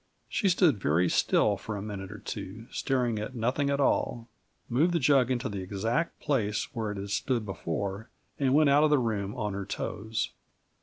She stood very still for a minute or two, staring at nothing at all; moved the jug into the exact place where it had stood before, and went out of the room on her toes.